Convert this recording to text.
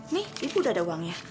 nih ibu udah ada uangnya